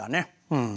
うん。